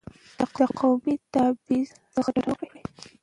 د قومي تبعیض څخه ډډه وکړئ.